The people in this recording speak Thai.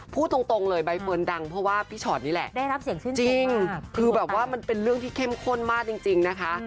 พูดตรงเลยใบเฟิร์นดังเพราะว่าพี่ชอตนี่แหละได้รับเสียงชื่นจริงคือแบบว่ามันเป็นเรื่องที่เข้มข้นมากจริงนะคะ